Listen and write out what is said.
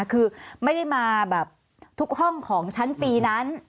คือไม่ได้มาแบบทุกห้องของชั้นปีนั้น